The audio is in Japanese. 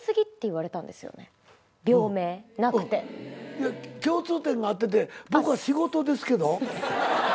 いや共通点があってって僕は仕事ですけど。